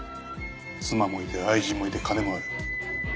妻もいて愛人もいて金もある。